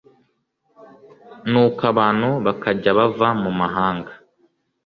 nuko abantu bakajya bava mu mahanga